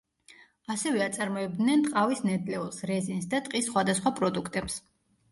ასევე აწარმოებდნენ ტყავის ნედლეულს, რეზინს და ტყის სხვადასხვა პროდუქტებს.